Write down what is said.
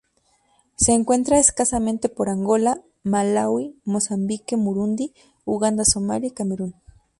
Se encuentra escasamente por Angola Malaui Mozambique Burundi, Uganda Somalia y Camerún.